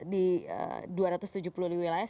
di dua ratus tujuh puluh di wilayah